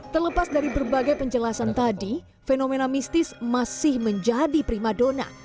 terlepas dari berbagai penjelasan tadi fenomena mistis masih menjadi prima dona